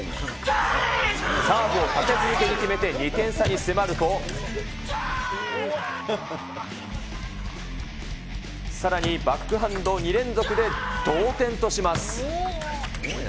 サーブを立て続けに決めて、２点差に迫ると、さらにバックハンド２連続で同点とします。